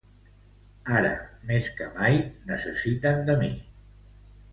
Ara més que mai, necessiten de mi.